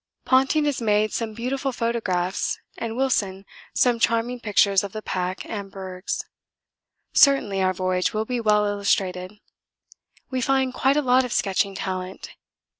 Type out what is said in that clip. Ponting has made some beautiful photographs and Wilson some charming pictures of the pack and bergs; certainly our voyage will be well illustrated. We find quite a lot of sketching talent.